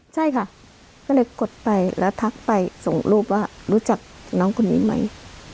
ใช่ค่ะก็เลยกดไปแล้วทักไปส่งรูปว่ารู้จักน้องคนนี้ไหม